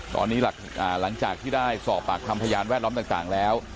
ตอนนี้หลังจากที่ได้สอบปากคำพยานแวดล้อมต่างแล้ว